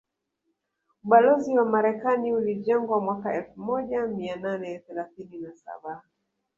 Ubalozi wa Marekani ulijengwa mwaka elfu moja mia nane thelathine na saba